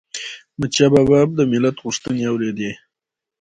احمدشاه بابا به د ملت غوښتنې اوريدي